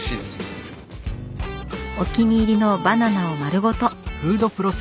お気に入りのバナナを丸ごと！